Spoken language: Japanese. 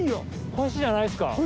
星じゃないですか？